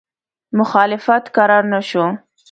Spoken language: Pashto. مخالفت کرار نه شو.